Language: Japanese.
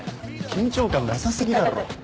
緊張感なさ過ぎだろ！